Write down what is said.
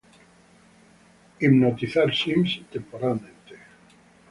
Hipnotizar Sims temporalmente.